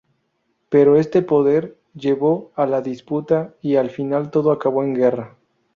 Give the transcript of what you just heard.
Pero este poder llevó a la disputa y al final todo acabó en guerra.